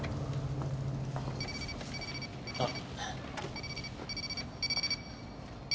あっ。